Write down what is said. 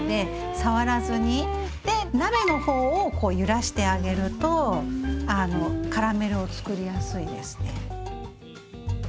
で鍋の方をこう揺らしてあげるとカラメルをつくりやすいですね。